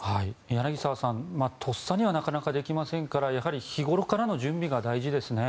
柳澤さん、とっさにはなかなかできませんからやはり日頃からの準備が大事ですね。